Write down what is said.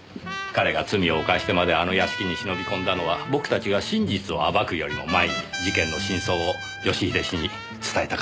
彼が罪を犯してまであの屋敷に忍び込んだのは僕たちが真実を暴くよりも前に事件の真相を義英氏に伝えたかったのでしょうねえ。